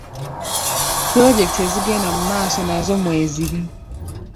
Pulojekiti ezigenda mu maaso nazo mweziri.